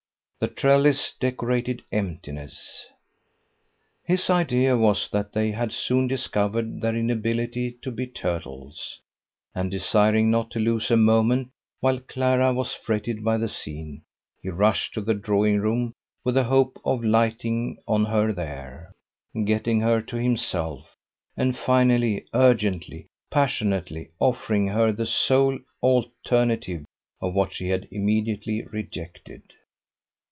The trellis decorated emptiness. His idea was, that they had soon discovered their inability to be turtles: and desiring not to lose a moment while Clara was fretted by the scene, he rushed to the drawing room with the hope of lighting on her there, getting her to himself, and finally, urgently, passionately offering her the sole alternative of what she had immediately rejected.